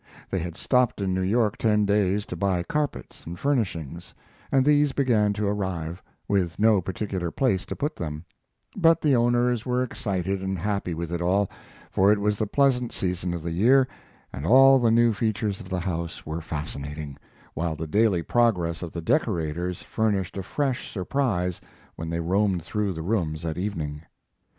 They had stopped in New York ten days to buy carpets and furnishings, and these began to arrive, with no particular place to put them; but the owners were excited and happy with it all, for it was the pleasant season of the year, and all the new features of the house were fascinating, while the daily progress of the decorators furnished a fresh surprise when they roamed through the rooms at evening.